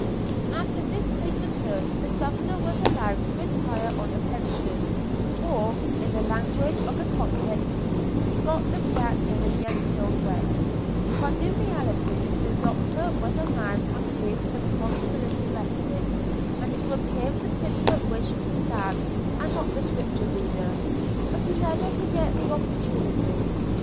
After this case occurred the governor was allowed to retire on a pension; or, in the language of the convicts, "he got the 'sack' in a genteel way," but in reality the doctor was the man on whom the responsibility rested, and it was him the prisoner wished to stab and not the Scripture reader, but he never could get the opportunity.